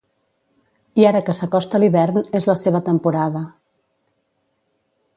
I ara que s'acosta l'hivern és la seva temporada.